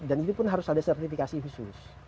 dan itu pun harus ada sertifikasi khusus